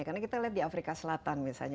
karena kita lihat di afrika selatan misalnya